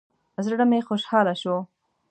زړه مې خوشاله شو.